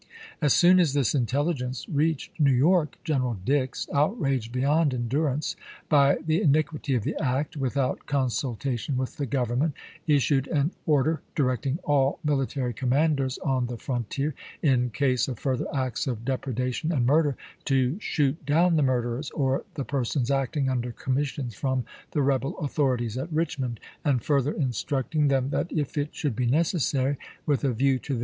As soon as this intel ligence reached New York, General Dix, outraged beyond endui'ance by the iniquity of the act, with out consultation with the Government issued an order, directing all military commanders on the frontier, in case of further acts of depredation and murder, to shoot down the murderers, or the per sons acting under commissions from the rebel authorities at Eichmond; and further instructing CONSPIEACIES IN THE NOETH 25 them that if it should be necessary, with a view to chap.